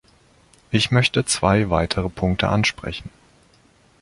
Ich möchte zwei weitere Punkte ansprechen.